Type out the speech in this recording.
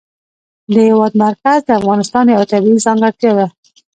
د هېواد مرکز د افغانستان یوه طبیعي ځانګړتیا ده.